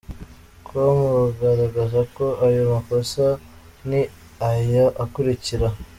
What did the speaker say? com rugaragaza ko ayo makosa ni aya akurikira:.